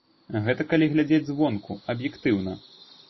Гэта калі глядзець звонку, аб'ектыўна.